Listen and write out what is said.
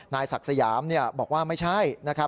นายศักดิ์สยามบอกว่าไม่ใช่นะครับ